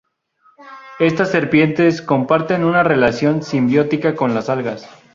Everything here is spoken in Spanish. Estas serpientes comparten una relación simbiótica con las algas.